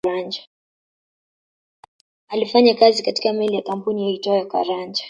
Alifanya kazi katika meli ya kampuni hiyo iitwayo Caranja